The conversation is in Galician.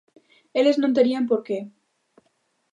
Eles non terían por que.